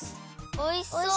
おいしそう！